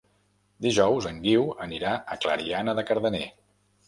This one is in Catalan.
Dijous en Guiu anirà a Clariana de Cardener.